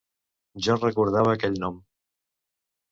Jo recordava aquell nom.